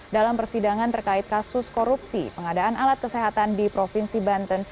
dalam persidangan terkait kasus korupsi pengadaan alat kesehatan di provinsi banten